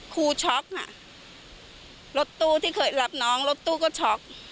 ช็อกอ่ะรถตู้ที่เคยรับน้องรถตู้ก็ช็อก